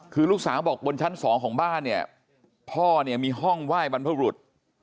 คือลูกสาวบอกบนชั้นสองของบ้านเนี่ยพ่อเนี่ยมีห้องไหว้บรรพบรุษ